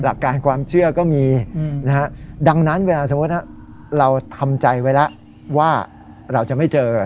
หลักการความเชื่อก็มีนะฮะดังนั้นเวลาสมมุติเราทำใจไว้แล้วว่าเราจะไม่เจอ